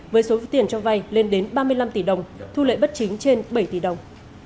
với số tiền cho vay lên đến ba mươi năm tỷ đồng thu lợi bất chính trên bảy tỷ đồng